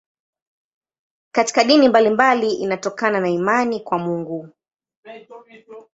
Katika dini mbalimbali inatokana na imani kwa Mungu.